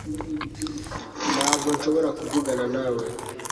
ntabwo nshobora kuvugana nawe